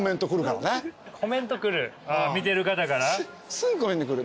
すぐコメント来る。